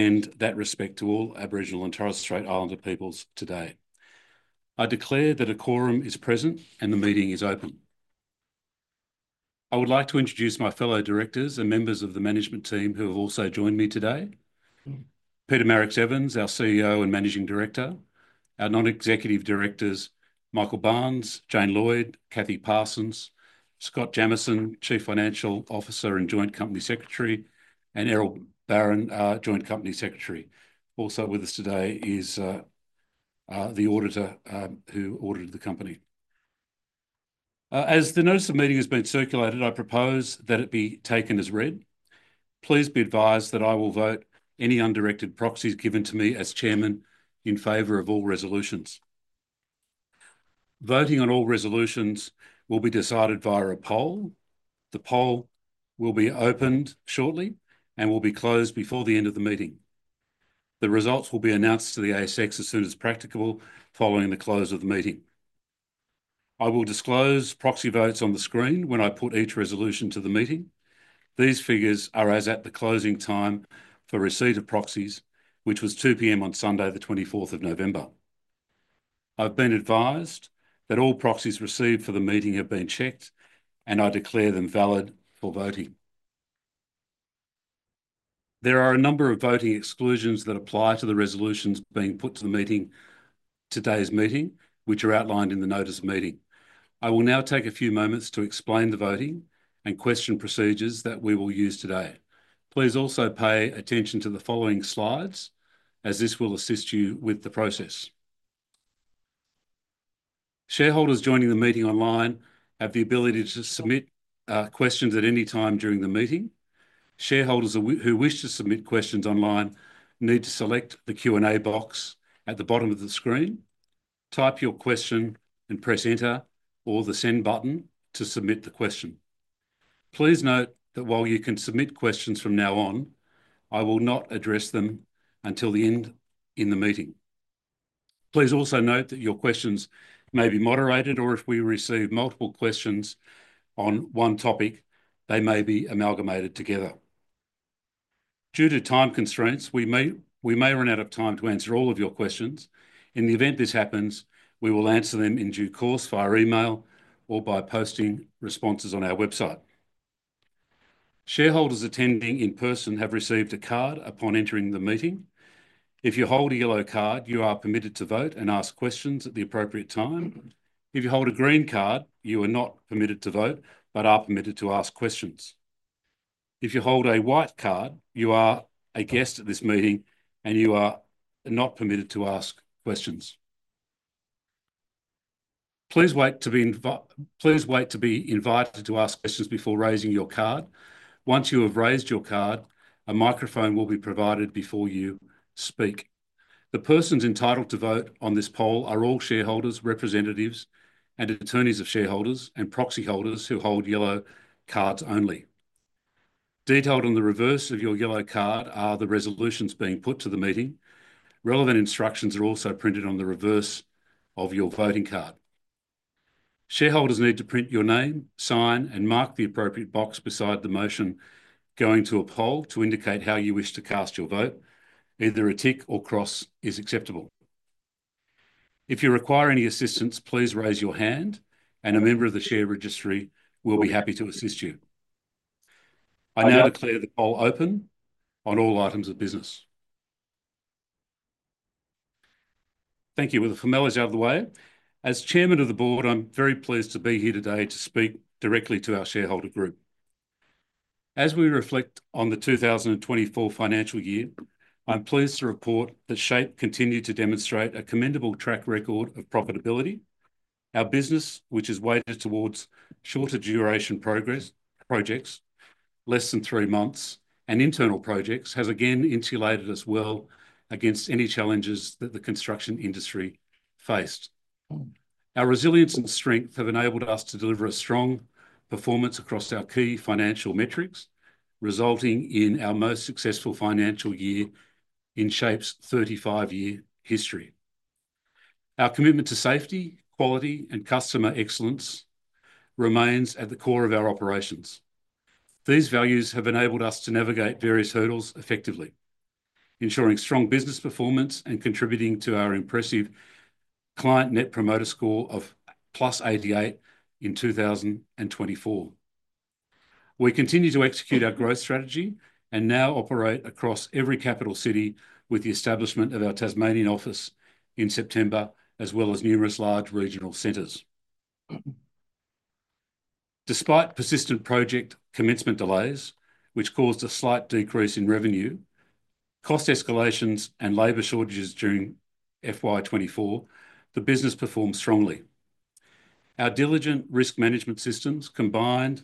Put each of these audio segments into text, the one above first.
My respects to all Aboriginal and Torres Strait Islander peoples today. I declare that a quorum is present and the meeting is open. I would like to introduce my fellow directors and members of the management team who have also joined me today: Peter Marix-Evans, our CEO and Managing Director, our Non-Executive Directors Michael Barnes, Jane Lloyd, Kathy Parsons, Scott Jamieson, Chief Financial Officer and Joint Company Secretary, and Errol Barron, Joint Company Secretary. Also with us today is the auditor who audited the company. As the notice of meeting has been circulated, I propose that it be taken as read. Please be advised that I will vote any undirected proxies given to me as Chairman in favor of all resolutions. Voting on all resolutions will be decided via a poll. The poll will be opened shortly and will be closed before the end of the meeting. The results will be announced to the ASX as soon as practicable following the close of the meeting. I will disclose proxy votes on the screen when I put each resolution to the meeting. These figures are as at the closing time for receipt of proxies, which was 2:00 P.M. on Sunday, the 24th of November. I've been advised that all proxies received for the meeting have been checked, and I declare them valid for voting. There are a number of voting exclusions that apply to the resolutions being put to the meeting today, which are outlined in the notice of meeting. I will now take a few moments to explain the voting and question procedures that we will use today. Please also pay attention to the following slides, as this will assist you with the process. Shareholders joining the meeting online have the ability to submit questions at any time during the meeting. Shareholders who wish to submit questions online need to select the Q&A box at the bottom of the screen, type your question, and press Enter or the Send button to submit the question. Please note that while you can submit questions from now on, I will not address them until the end of the meeting. Please also note that your questions may be moderated, or if we receive multiple questions on one topic, they may be amalgamated together. Due to time constraints, we may run out of time to answer all of your questions. In the event this happens, we will answer them in due course via email or by posting responses on our website. Shareholders attending in person have received a card upon entering the meeting. If you hold a yellow card, you are permitted to vote and ask questions at the appropriate time. If you hold a green card, you are not permitted to vote but are permitted to ask questions. If you hold a white card, you are a guest at this meeting and you are not permitted to ask questions. Please wait to be invited to ask questions before raising your card. Once you have raised your card, a microphone will be provided before you speak. The persons entitled to vote on this poll are all shareholders, representatives, and attorneys of shareholders and proxy holders who hold yellow cards only. Detailed on the reverse of your yellow card are the resolutions being put to the meeting. Relevant instructions are also printed on the reverse of your voting card. Shareholders need to print your name, sign, and mark the appropriate box beside the motion going to a poll to indicate how you wish to cast your vote. Either a tick or cross is acceptable. If you require any assistance, please raise your hand and a member of the share registry will be happy to assist you. I now declare the poll open on all items of business. Thank you. With the formalities out of the way, as Chairman of the Board, I'm very pleased to be here today to speak directly to our shareholder group. As we reflect on the 2024 financial year, I'm pleased to report that SHAPE continued to demonstrate a commendable track record of profitability. Our business, which has weighted towards shorter duration projects, less than three months, and internal projects, has again insulated us well against any challenges that the construction industry faced. Our resilience and strength have enabled us to deliver a strong performance across our key financial metrics, resulting in our most successful financial year in SHAPE's 35-year history. Our commitment to safety, quality, and customer excellence remains at the core of our operations. These values have enabled us to navigate various hurdles effectively, ensuring strong business performance and contributing to our impressive client Net Promoter Score of +88 in 2024. We continue to execute our growth strategy and now operate across every capital city with the establishment of our Tasmanian office in September, as well as numerous large regional centers. Despite persistent project commencement delays, which caused a slight decrease in revenue, cost escalations, and labor shortages during FY24, the business performed strongly. Our diligent risk management systems, combined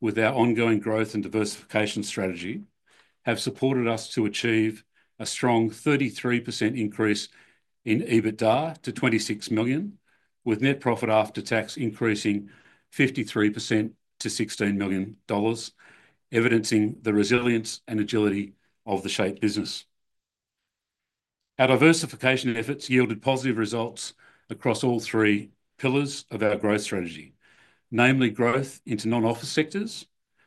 with our ongoing growth and diversification strategy, have supported us to achieve a strong 33%, increase in EBITDA to 26 million, with net profit after tax increasing 53%, to 16 million dollars, evidencing the resilience and agility of the SHAPE business. Our diversification efforts yielded positive results across all three pillars of our growth strategy, namely growth into non-office sectors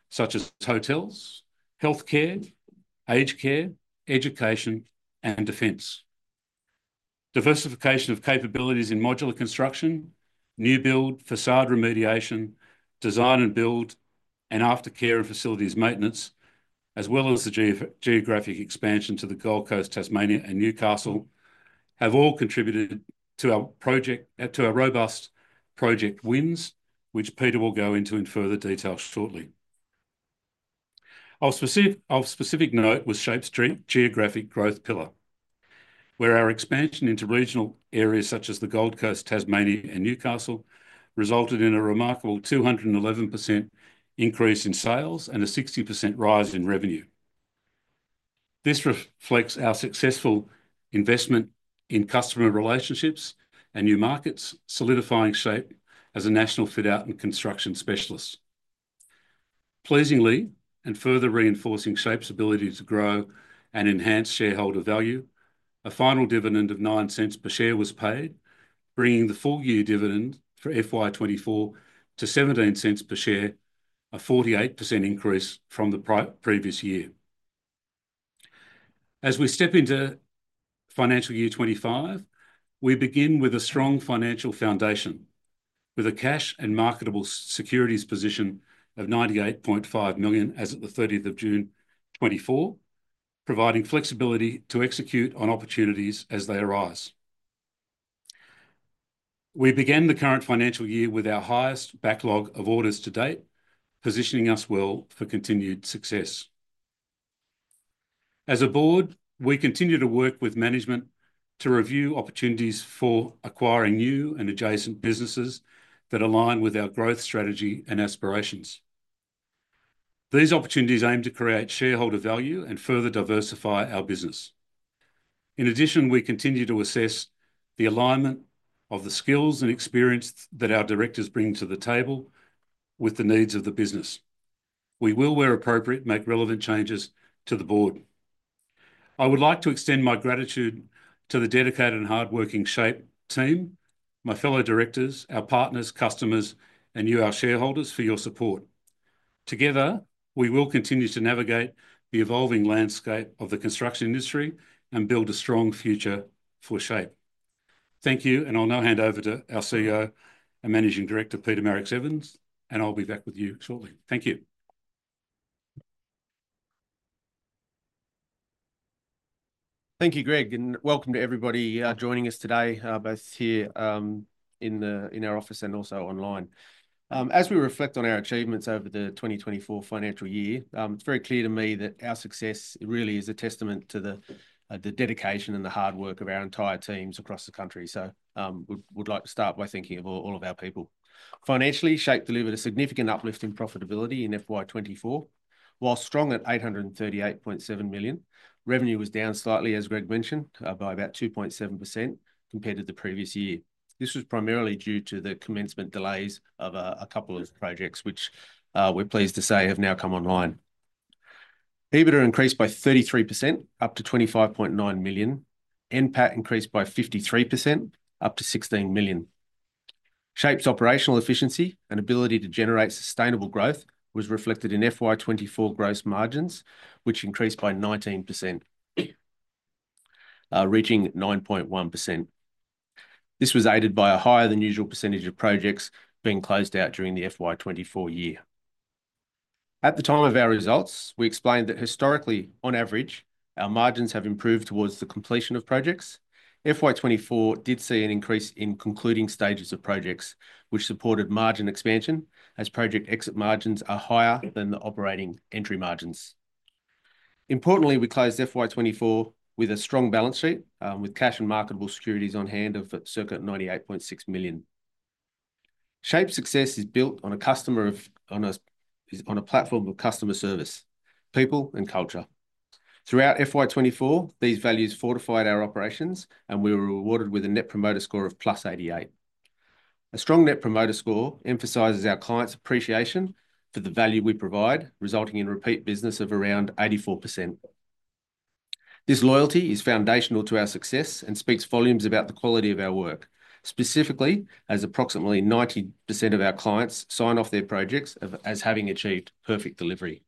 such as hotels, healthcare, aged care, education, and defence. Diversification of capabilities in modular construction, new build, facade restoration, design and build, and aftercare and facilities maintenance, as well as the geographic expansion to the Gold Coast, Tasmania, and Newcastle, have all contributed to our robust project wins, which Peter will go into in further detail shortly. Our specific note was SHAPE's geographic growth pillar, where our expansion into regional areas such as the Gold Coast, Tasmania, and Newcastle resulted in a remarkable 211% increase in sales and a 60% rise in revenue. This reflects our successful investment in customer relationships and new markets, solidifying SHAPE as a national fit-out and construction specialist. Pleasingly and further reinforcing SHAPE's ability to grow and enhance shareholder value, a final dividend of 0.09 per share was paid, bringing the full year dividend for FY24 to 0.17 per share, a 48%, increase from the previous year. As we step into financial year 25, we begin with a strong financial foundation, with a cash and marketable securities position of 98.5 million as of the 30th of June 2024, providing flexibility to execute on opportunities as they arise. We began the current financial year with our highest backlog of orders to date, positioning us well for continued success. As a board, we continue to work with management to review opportunities for acquiring new and adjacent businesses that align with our growth strategy and aspirations. These opportunities aim to create shareholder value and further diversify our business. In addition, we continue to assess the alignment of the skills and experience that our directors bring to the table with the needs of the business. We will, where appropriate, make relevant changes to the board. I would like to extend my gratitude to the dedicated and hardworking SHAPE team, my fellow directors, our partners, customers, and you, our shareholders, for your support. Together, we will continue to navigate the evolving landscape of the construction industry and build a strong future for SHAPE. Thank you, and I'll now hand over to our CEO and Managing Director, Peter Marix-Evans, and I'll be back with you shortly. Thank you. Thank you, Greg, and welcome to everybody joining us today, both here in our office and also online. As we reflect on our achievements over the 2024 financial year, it's very clear to me that our success really is a testament to the dedication and the hard work of our entire teams across the country. So we'd like to start by thanking all of our people. Financially, SHAPE delivered a significant uplift in profitability in FY24. While strong at 838.7 million, revenue was down slightly, as Greg mentioned, by about 2.7%, compared to the previous year. This was primarily due to the commencement delays of a couple of projects, which we're pleased to say have now come online. EBITDA increased by 33%, up to 25.9 million, and PAT increased by 53%, up to 16 million. SHAPE's operational efficiency and ability to generate sustainable growth was reflected in FY24 gross margins, which increased by 19%, reaching 9.1%. This was aided by a higher-than-usual percentage of projects being closed out during the FY24 year. At the time of our results, we explained that historically, on average, our margins have improved towards the completion of projects. FY24 did see an increase in concluding stages of projects, which supported margin expansion, as project exit margins are higher than the operating entry margins. Importantly, we closed FY24 with a strong balance sheet, with cash and marketable securities on hand of a circa 98.6 million. SHAPE's success is built on a platform of customer service, people, and culture. Throughout FY24, these values fortified our operations, and we were rewarded with a Net Promoter Score of plus 88. A strong Net Promoter Score emphasizes our clients' appreciation for the value we provide, resulting in repeat business of around 84%. This loyalty is foundational to our success and speaks volumes about the quality of our work, specifically as approximately 90%, of our clients sign off their projects as having achieved perfect delivery.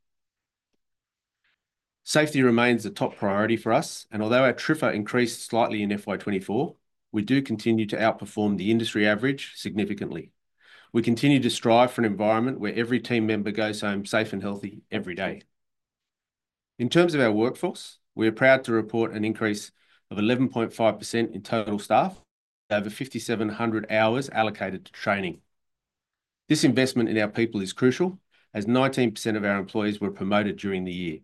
Safety remains a top priority for us, and although our TRIFR increased slightly in FY24, we do continue to outperform the industry average significantly. We continue to strive for an environment where every team member goes home safe and healthy every day. In terms of our workforce, we are proud to report an increase of 11.5%, in total staff over 5,700 hours allocated to training. This investment in our people is crucial, as 19%, of our employees were promoted during the year.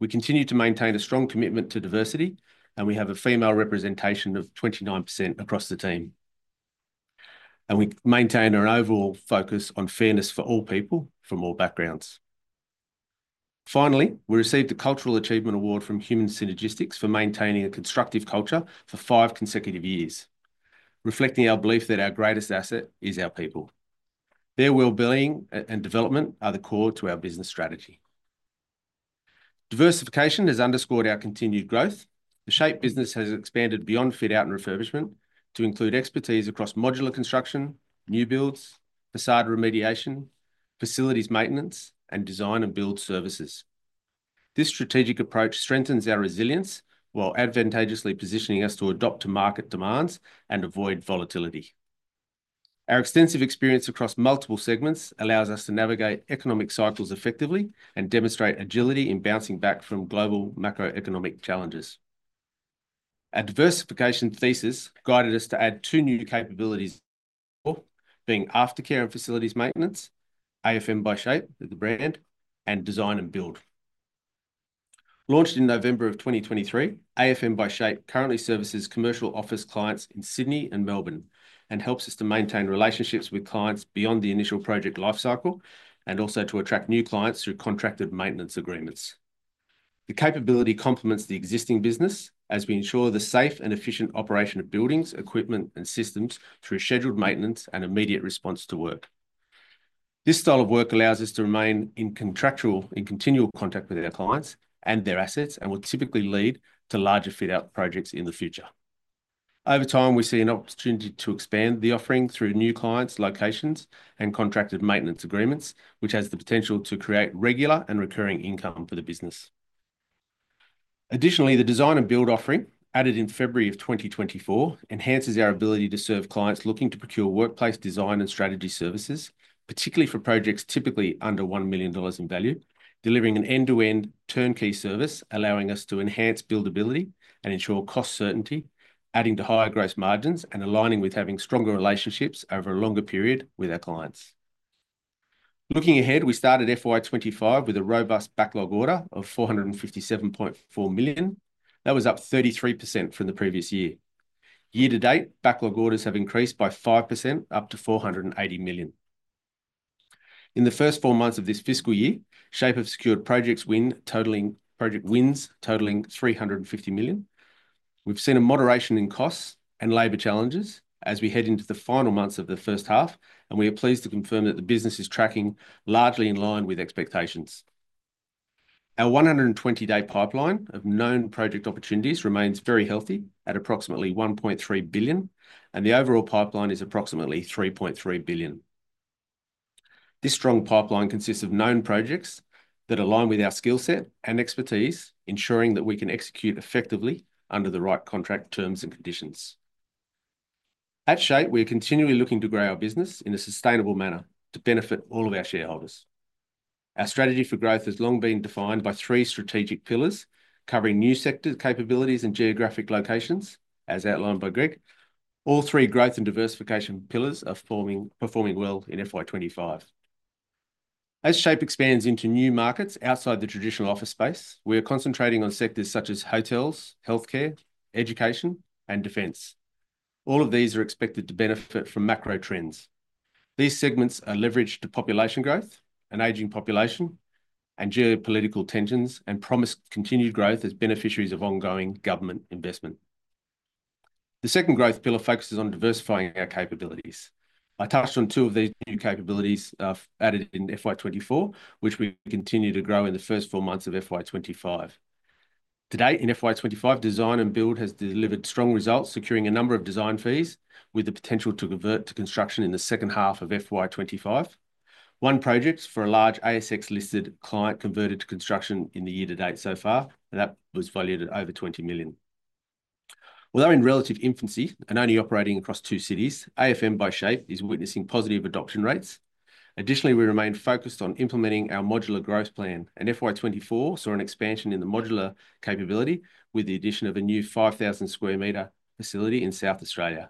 We continue to maintain a strong commitment to diversity, and we have a female representation of 29% across the team, and we maintain our overall focus on fairness for all people from all backgrounds. Finally, we received the Cultural Achievement Award from Human Synergistics for maintaining a constructive culture for five consecutive years, reflecting our belief that our greatest asset is our people. Their well-being and development are the core to our business strategy. Diversification has underscored our continued growth. The SHAPE business has expanded beyond fit-out and refurbishment to include expertise across modular construction, new builds, facade restoration, facilities maintenance, and design and build services. This strategic approach strengthens our resilience while advantageously positioning us to adapt to market demands and avoid volatility. Our extensive experience across multiple segments allows us to navigate economic cycles effectively and demonstrate agility in bouncing back from global macroeconomic challenges. Our diversification thesis guided us to add two new capabilities, being aftercare and facilities maintenance, AFM by SHAPE, the brand, and design and build. Launched in November of 2023, AFM by SHAPE currently services commercial office clients in Sydney and Melbourne and helps us to maintain relationships with clients beyond the initial project lifecycle and also to attract new clients through contracted maintenance agreements. The capability complements the existing business as we ensure the safe and efficient operation of buildings, equipment, and systems through scheduled maintenance and immediate response to work. This style of work allows us to remain in contractual and continual contact with our clients and their assets and will typically lead to larger fit-out projects in the future. Over time, we see an opportunity to expand the offering through new clients, locations, and contracted maintenance agreements, which has the potential to create regular and recurring income for the business. Additionally, the design and build offering added in February of 2024 enhances our ability to serve clients looking to procure workplace design and strategy services, particularly for projects typically under 1 million dollars in value, delivering an end-to-end turnkey service, allowing us to enhance buildability and ensure cost certainty, adding to higher gross margins and aligning with having stronger relationships over a longer period with our clients. Looking ahead, we started FY25 with a robust backlog order of 457.4 million. That was up 33%, from the previous year. Year to date, backlog orders have increased by 5%, up to 480 million. In the first four months of this fiscal year, SHAPE have secured project wins totaling 350 million. We've seen a moderation in costs and labor challenges as we head into the final months of the first half, and we are pleased to confirm that the business is tracking largely in line with expectations. Our 120-day pipeline of known project opportunities remains very healthy at approximately 1.3 billion, and the overall pipeline is approximately 3.3 billion. This strong pipeline consists of known projects that align with our skill set and expertise, ensuring that we can execute effectively under the right contract terms and conditions. At SHAPE, we are continually looking to grow our business in a sustainable manner to benefit all of our shareholders. Our strategy for growth has long been defined by three strategic pillars covering new sector capabilities and geographic locations, as outlined by Greg. All three growth and diversification pillars are performing well in FY25. As SHAPE expands into new markets outside the traditional office space, we are concentrating on sectors such as hotels, healthcare, education, and defense. All of these are expected to benefit from macro trends. These segments are leveraged to population growth, an aging population, and geopolitical tensions and promise continued growth as beneficiaries of ongoing government investment. The second growth pillar focuses on diversifying our capabilities. I touched on two of these new capabilities added in FY24, which we continue to grow in the first four months of FY25. To date, in FY25, design and build has delivered strong results, securing a number of design fees with the potential to convert to construction in the second half of FY25. One project for a large ASX-listed client converted to construction in the year to date so far, and that was valued at over 20 million. Although in relative infancy and only operating across two cities, AFM by SHAPE is witnessing positive adoption rates. Additionally, we remain focused on implementing our modular growth plan, and FY24 saw an expansion in the modular capability with the addition of a new 5,000 sq m facility in South Australia,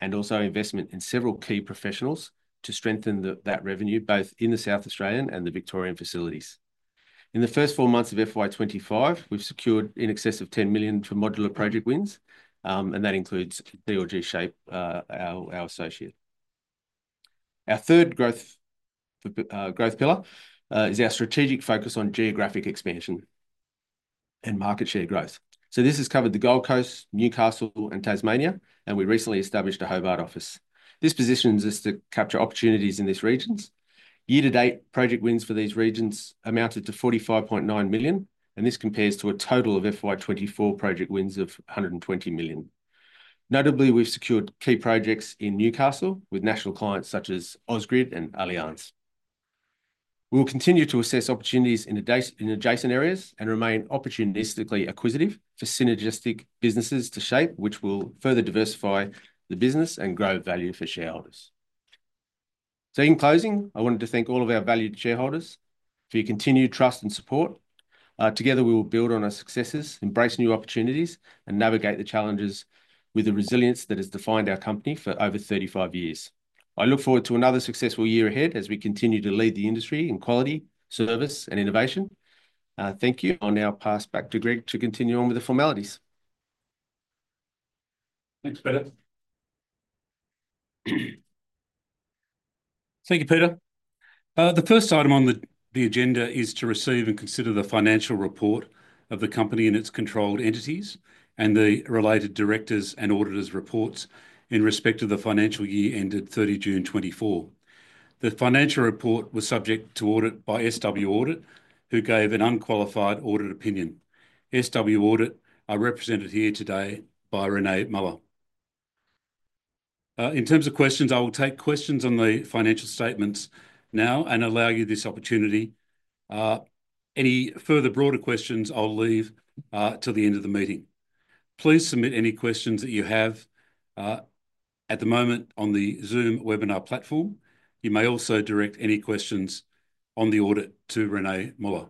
and also investment in several key professionals to strengthen that revenue both in the South Australian and the Victorian facilities. In the first four months of FY25, we've secured in excess of 10 million for modular project wins, and that includes D-Struct, our associate. Our third growth pillar is our strategic focus on geographic expansion and market share growth, so this has covered the Gold Coast, Newcastle, and Tasmania, and we recently established a Hobart office. This positions us to capture opportunities in these regions. Year to date, project wins for these regions amounted to 45.9 million, and this compares to a total of FY24 project wins of 120 million. Notably, we've secured key projects in Newcastle with national clients such as Ausgrid and Allianz. We will continue to assess opportunities in adjacent areas and remain opportunistically acquisitive for synergistic businesses to SHAPE, which will further diversify the business and grow value for shareholders. So in closing, I wanted to thank all of our valued shareholders for your continued trust and support. Together, we will build on our successes, embrace new opportunities, and navigate the challenges with the resilience that has defined our company for over 35 years. I look forward to another successful year ahead as we continue to lead the industry in quality, service, and innovation. Thank you. I'll now pass back to Greg to continue on with the formalities. Thanks, Peter. Thank you, Peter. The first item on the agenda is to receive and consider the financial report of the company and its controlled entities and the related directors' and auditors' reports in respect of the financial year ended 30 June 2024. The financial report was subject to audit by SW Audit, who gave an unqualified audit opinion. SW Audit are represented here today by Renee Miller. In terms of questions, I will take questions on the financial statements now and allow you this opportunity. Any further broader questions, I'll leave till the end of the meeting. Please submit any questions that you have at the moment on the Zoom webinar platform. You may also direct any questions on the audit to Renee Miller.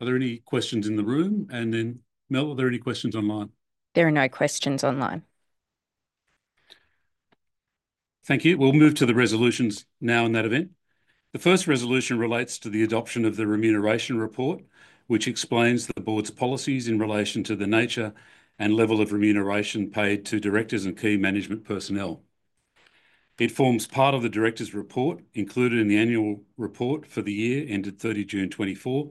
Are there any questions in the room? And then, Mel, are there any questions online? There are no questions online. Thank you. We'll move to the resolutions now in that event. The first resolution relates to the adoption of the remuneration report, which explains the board's policies in relation to the nature and level of remuneration paid to directors and key management personnel. It forms part of the director's report included in the annual report for the year ended 30 June 2024,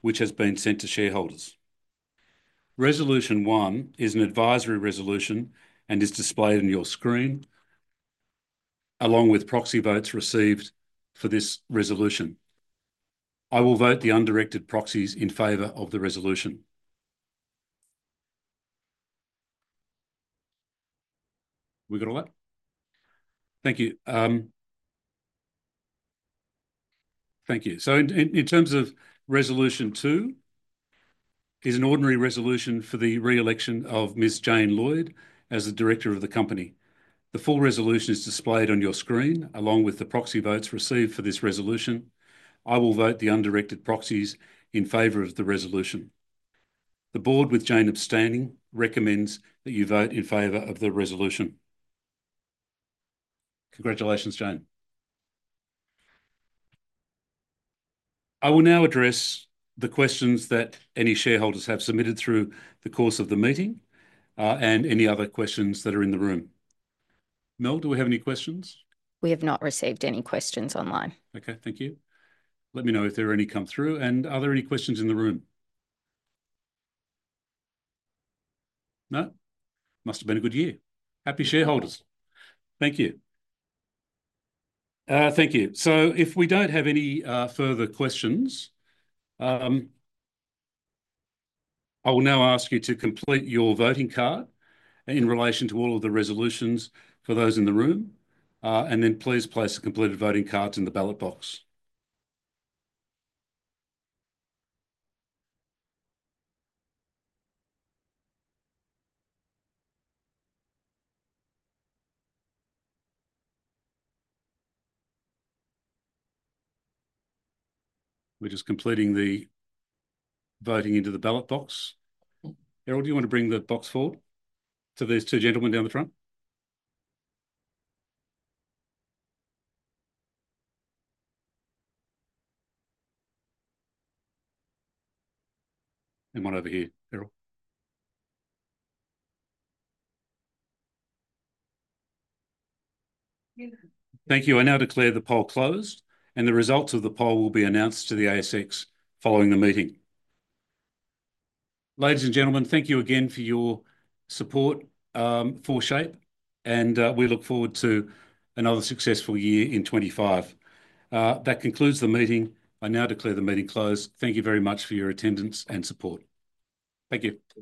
which has been sent to shareholders. Resolution one is an advisory resolution and is displayed on your screen along with proxy votes received for this resolution. I will vote the undirected proxies in favor of the resolution. We got all that? Thank you. Thank you. So in terms of resolution two, it is an ordinary resolution for the re-election of Ms. Jane Lloyd as the director of the company. The full resolution is displayed on your screen along with the proxy votes received for this resolution. I will vote the undirected proxies in favor of the resolution. The board, with Jane abstaining, recommends that you vote in favor of the resolution. Congratulations, Jane. I will now address the questions that any shareholders have submitted through the course of the meeting and any other questions that are in the room. Mel, do we have any questions? We have not received any questions online. Okay, thank you. Let me know if there are any come through. And are there any questions in the room? No? Must have been a good year. Happy shareholders. Thank you. Thank you. So if we don't have any further questions, I will now ask you to complete your voting card in relation to all of the resolutions for those in the room. And then please place the completed voting cards in the ballot box. We're just completing the voting into the ballot box. Errol, do you want to bring the box forward to these two gentlemen down the front? And one over here, Errol. Thank you. I now declare the poll closed, and the results of the poll will be announced to the ASX following the meeting. Ladies and gentlemen, thank you again for your support for SHAPE, and we look forward to another successful year in 2025. That concludes the meeting. I now declare the meeting closed. Thank you very much for your attendance and support. Thank you.